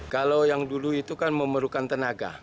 kalau yang dulu itu kan memerlukan tenaga